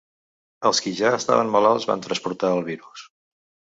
Els qui ja estaven malalts van transportar el virus.